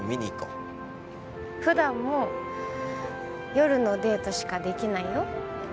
普段も夜のデートしかできないよ。